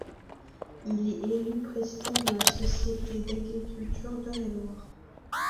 Il est élu président de la Société d'agriculture d'Eure-et-Loir.